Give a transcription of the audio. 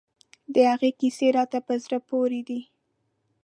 د هغه کیسې راته په زړه پورې دي.